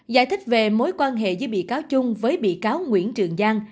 giải thích về mối quan hệ giữa bị cáo chung với bị cáo nguyễn trường giang